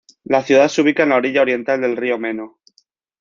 La ciudad se ubica en la orilla oriental del río Meno.